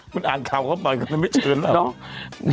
คุณอ่านกาวน์เขาไปก่อนไม่เชิญหรอก